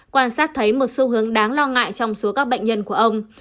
quan sát thấy một xu hướng đáng lo ngại trong số các bệnh nhân của ông